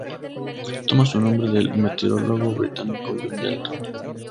Toma su nombre del meteorólogo británico John Dalton.